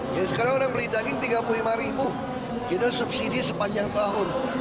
jadi sekarang orang beli daging rp tiga puluh lima kita subsidi sepanjang tahun